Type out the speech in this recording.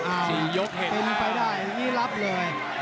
อ้าวเป็นไปได้นี่รับเลย